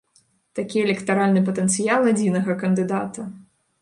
Такі электаральны патэнцыял адзінага кандыдата.